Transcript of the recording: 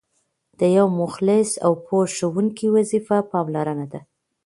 د یو مخلص او پوه ښوونکي وظیفه پاملرنه ده.